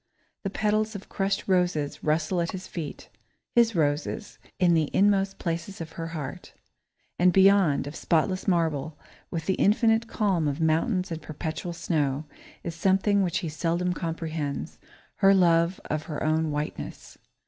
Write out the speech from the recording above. The petals of crushed roses rustle at his feet his roses in the inmost places of her heart. And beyond, of spotless marble, with the infinite calm of mountains and perpetual snow, is something which he seldom comprehends her love of her own whiteness.